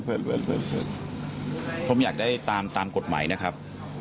ผมอยากได้ตามตามกฎหมายนะครับ